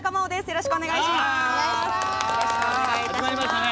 よろしくお願いします。